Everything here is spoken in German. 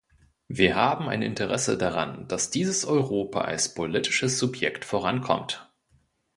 Wir haben ein Interesse daran, dass dieses Europa als politisches Subjekt vorankommt.